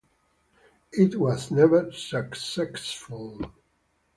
It was never successful.